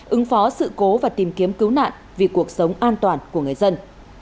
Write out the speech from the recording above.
ứng phó sự cố và tìm kiếm cứu nạn vì cuộc sống an toàn của người dân